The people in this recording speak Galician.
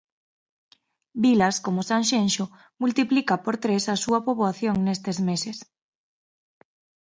Vilas como Sanxenxo multiplica por tres a súa poboación nestes meses.